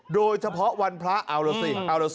โดยเฉพาะวันพระอารสิ